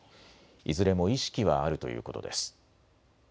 いずれも意識はあるということです。